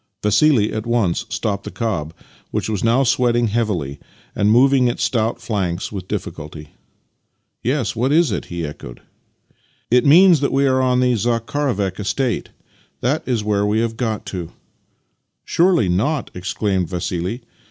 Vassili at once stopped the cob, which was now sweating heavily and moving its stout flanks with dif^culty. " Yes, what is it? " he echoed. " It means that we are on the Zakharovek estate. That is where we have got to." " Surely not? " exclaimed Vassili.